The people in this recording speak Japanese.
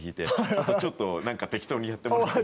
あとちょっとなんか適当にやってもらっていい？